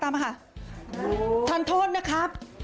ท่านโทษนะครับ